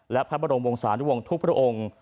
และพระบรมวงศานุวงศ์ทุกพระองค์